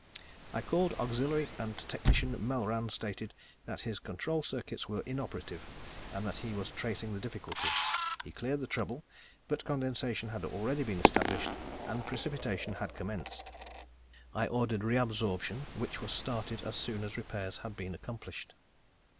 I called Auxiliary, and Technician Melran stated that his control circuits were inoperative and that he was tracing the difficulty. He cleared the trouble, but condensation had already been established and precipitation had commenced. I ordered re absorption, which was started as soon as repairs had been accomplished.